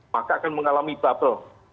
maka akan mengalami bubble